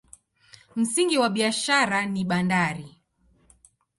Msingi wa biashara ni bandari.